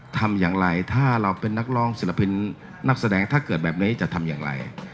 ทำอย่างไรถ้าเราเป็นนักร้องศิลปินนักแสดงถ้าเกิดแบบนี้จะทำอย่างไร